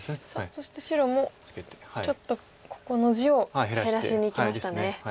そして白もちょっとここの地を減らしにいきましたね。